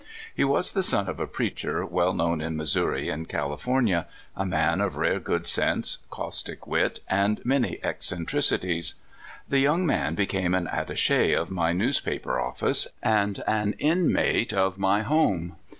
He was the son of a preacher well known in Missouri and California, a man of rare good sense, caustic wit, and many eccentricities. The young man be came an attache of my newspaper office and an in mate of my home.